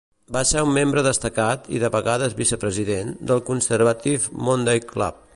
Va ser un membre destacat, i de vegades vice-President, del Conservative Monday Club.